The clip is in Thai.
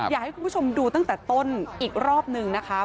อยากให้คุณผู้ชมดูตั้งแต่ต้นอีกรอบนึงนะคะ